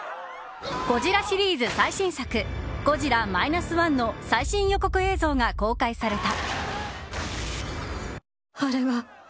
ゴジラシリーズ最新作「ゴジラ−１．０」の最新予告映像が公開された。